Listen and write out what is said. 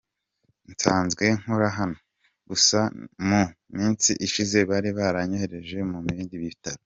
Nsanzwe nkora hano, gusa mu minsi ishize bari baranyohereje ku bindi bitaro.